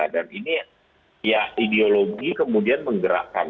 dan ini ya ideologi kemudian menggerakkan